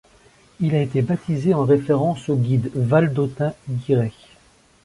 Il a été baptisé en référence au guide valdôtain Guy Rey.